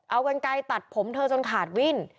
เอากันไกลตัดผมเธอจนขาดวิ่น